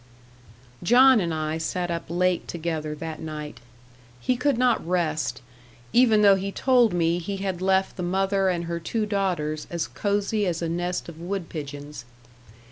John and I sat up late together that night. He could not rest even though he told me he had left the mother and her two daughters as cosy as a nest of wood pigeons.